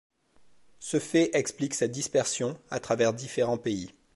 Ce fait explique sa dispersion à travers différents pays.